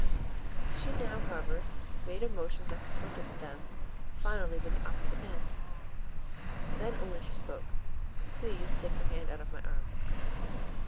She now, however, made a motion that confronted them finally with the opposite end. Then only she spoke "Please take your hand out of my arm."